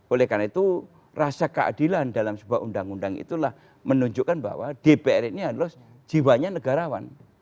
oleh karena itu rasa keadilan dalam sebuah undang undang itulah menunjukkan bahwa dpr ini adalah jiwanya negarawan